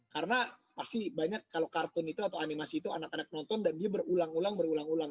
karena pasti banyak kalau kartun itu atau animasi itu anak anak nonton dan dia berulang ulang berulang ulang